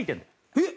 えっ？